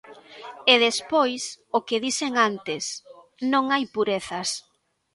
E despois, o que dixen antes: non hai purezas.